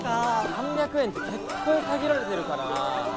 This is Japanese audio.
３００円って結構限られてるからな。